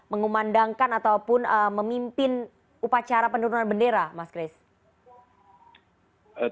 mengumandangkan ataupun memimpin upacara penurunan bendera mas chris